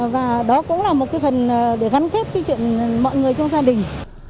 và đó cũng là một cái phần để gắn kết cái chuyện mọi người trong gia đình